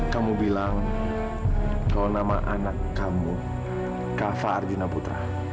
kamu bilang kau nama anak kamu kava arjuna putra